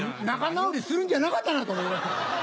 仲直りするんじゃなかったなと思いました。